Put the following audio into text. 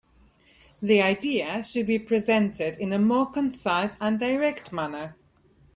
The ideas should be presented in a more concise and direct manner.